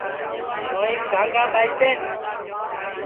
سوںئیم دھاگا ٻائی دؔین